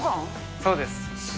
そうです。